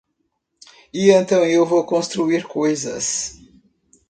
E então eu vou construir coisas.